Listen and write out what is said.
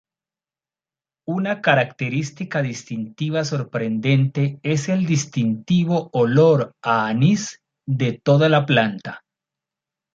Una característica distintiva sorprendente es el distintivo olor a anís de toda la planta.